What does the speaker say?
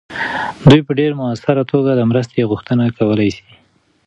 دوی په ډیر مؤثره توګه د مرستې غوښتنه کولی سي.